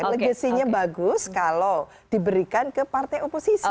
legasinya bagus kalau diberikan ke partai oposisi